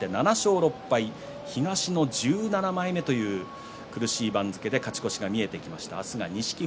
東の１７枚目という苦しい番付で勝ち越しが見えてきました。